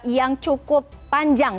yang cukup panjang